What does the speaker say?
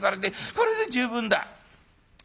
これで十分だ」。